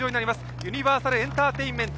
ユニバーサルエンターテインメント。